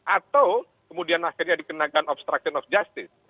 atau kemudian akhirnya dikenakan obstruction of justice